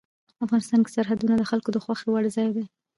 افغانستان کې سرحدونه د خلکو د خوښې وړ ځای دی.